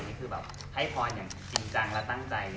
อยากให้พรอย่างอย่างจริงจันทร์แล้วตั้งใจ